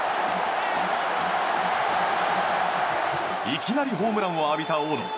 いきなりホームランを浴びた大野。